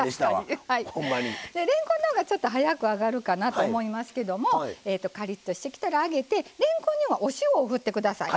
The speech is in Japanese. れんこんの方がちょっと早く揚がるかなと思いますけどカリッとしてきたら上げてれんこんにはお塩を振って下さい。